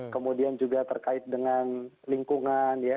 kemudian juga terkait dengan lingkungan ya